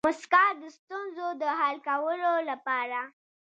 موسکا د ستونزو د حل کولو لپاره